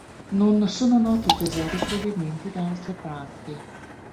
Non sono noti tesori provenienti da altre parti.